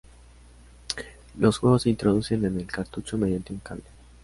Los juegos se introducen en el cartucho mediante un cable.